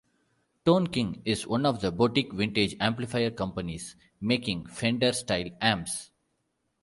Tone King is one of the boutique "vintage" amplifier companies making Fender style amps.